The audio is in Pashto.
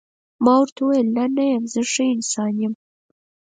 ما ورته وویل: نه، نه یم، زه ښه انسان نه یم.